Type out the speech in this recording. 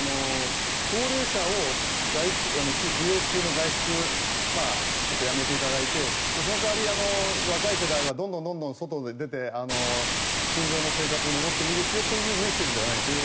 高齢者を不要不急の外出ちょっとやめていただいてその代わり若い世代はどんどん外へ出て通常の生活に戻っていいですよというメッセージではないんですね。